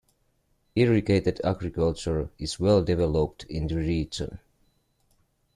Irrigated agriculture is well developed in the region.